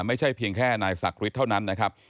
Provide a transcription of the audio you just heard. ไม่ใช่เพียงแค่นายศักดิ์เท่านั้นนะครับ